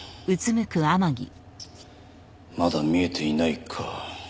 まだ見えていないか。